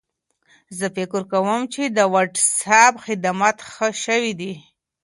زه فکر کوم چې د وټساپ خدمات ښه شوي دي.